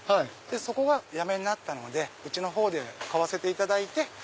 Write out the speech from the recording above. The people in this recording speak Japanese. そこがおやめになったのでうちで買わせていただいて。